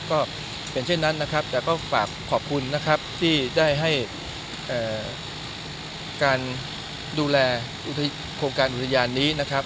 ก็เป็นเช่นนั้นนะครับแต่ก็ฝากขอบคุณนะครับที่ได้ให้การดูแลโครงการอุทยานนี้นะครับ